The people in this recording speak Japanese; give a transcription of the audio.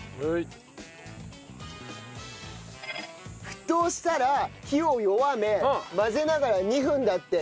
沸騰したら火を弱め混ぜながら２分だって。